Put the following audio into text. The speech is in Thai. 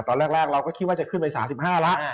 ตอนแรกเราก็คิดว่าจะขึ้นไป๓๕แล้ว